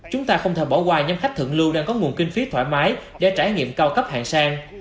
chúng ta không thể bỏ qua nhóm khách thượng lưu đang có nguồn kinh phí thoải mái để trải nghiệm cao cấp hạng sang